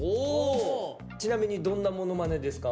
ちなみにどんなものまねですか？